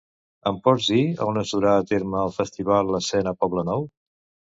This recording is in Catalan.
Em pots dir on es durà a terme el Festival Escena Poblenou?